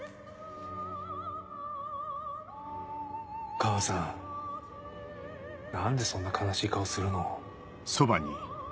母さん何でそんな悲しい顔するの？